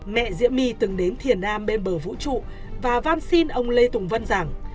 mẹ diễm my từng đến thiền nam bên bờ vũ trụ và văn xin ông lê tùng vân rằng